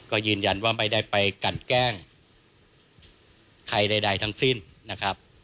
ก็ยืนยันว่าไม่ได้ไปกันแกล้งใครใดทั้งสิ้นนะครับ